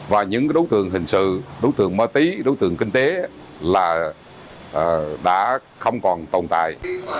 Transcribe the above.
và những đối tượng hình sự đối tượng mơ tí đối tượng kinh tế là đã không còn tồn tại